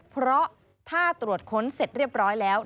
เพราะถ้าตรวจค้นเสร็จเรียบร้อยแล้ว